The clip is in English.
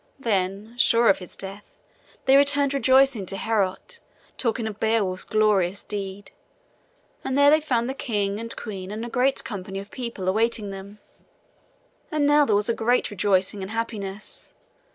Then, sure of his death, they returned rejoicing to Heorot, talking of Beowulf's glorious deed; and there they found the king and queen and a great company of people awaiting them. And now there was great rejoicing and happiness.